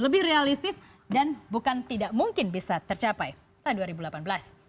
lebih realistis dan bukan tidak mungkin bisa tercapai pada dua ribu delapan belas